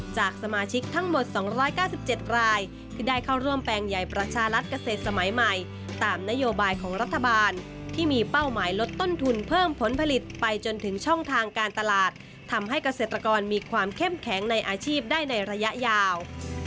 จากสมาชิกทั้งหมด๒๙๗รายที่ได้เข้าร่วมแปลงใหญ่ประชารัฐเกษตรสมัยใหม่ตามนโยบายของรัฐบาลที่มีเป้าหมายลดต้นทุนเพิ่มผลผลิตไปจนถึงช่องทางการตลาดทำให้เกษตรกรมีความเข้มแข็งในอาชีพได้ในระยะยาว